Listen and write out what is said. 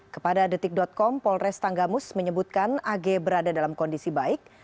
kepada detik com polres tanggamus menyebutkan ag berada dalam kondisi baik